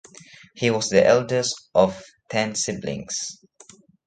He was the eldest of ten siblings.